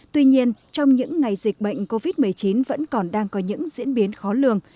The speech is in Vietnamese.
tuy nhiên trong những ngày dịch bệnh covid một mươi chín vẫn còn đang có những diễn biến khó lường